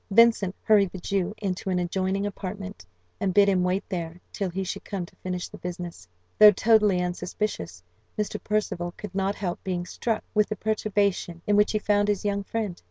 Vincent hurried the Jew into an adjoining apartment, and bid him wait there, till he should come to finish the business. Though totally unsuspicious, Mr. Percival could not help being struck with the perturbation in which he found his young friend.